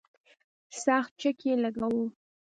سخت چک یې لګاوه.